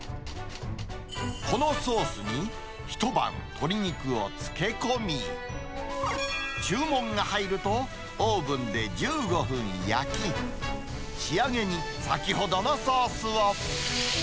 このソースに、一晩、鶏肉を漬け込み、注文が入ると、オーブンで１５分焼き、仕上げに先ほどのソースを。